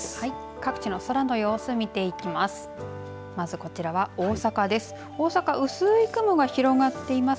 各地の空の様子を見ていきます。